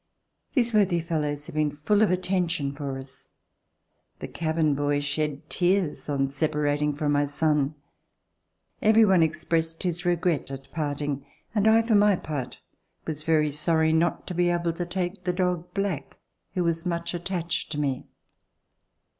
These worthy fellows C 184 ] ARRIVAL IN AMERICA had been full of attention for us. The cabin boy shed tears on separating from my son. Everyone expressed his regret at parting, and I for my part was very sorry not to be able to take the dog "Black" who was much attached to me.